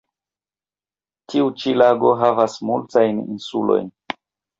Tiu ĉi lago havas multajn insulojn.